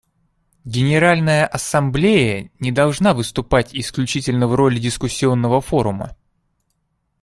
Генеральная Ассамблея не должна выступать исключительно в роли дискуссионного форума.